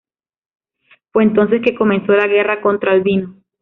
Fue entonces que comenzó la guerra contra Albino.